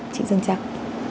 chị dương trang